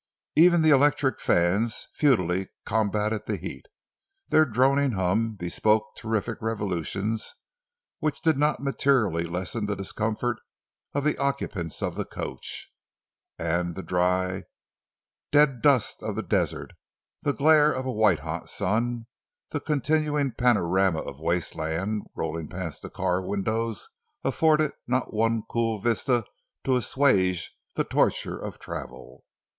Even the electric fans futilely combated the heat; their droning hum bespoke terrific revolutions which did not materially lessen the discomfort of the occupants of the coach; and the dry, dead dust of the desert, the glare of a white hot sun, the continuing panorama of waste land, rolling past the car windows, afforded not one cool vista to assuage the torture of travel.